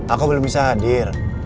aku belum bisa hadir